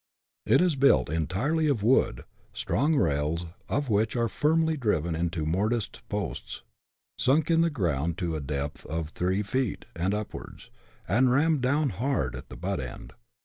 It is built entirely of wood, strong rails of which are firmly driven into mortised posts, sunk in the ground to the depth of three feet and upwards, and rammed down hard at the butt end.